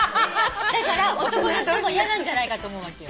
だから男の人も嫌なんじゃないかと思うわけよ。